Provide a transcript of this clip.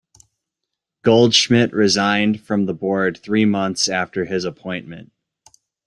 Goldschmidt resigned from the board three months after his appointment.